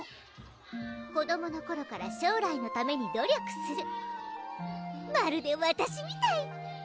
子どもの頃から将来のために努力するまるでわたしみたい！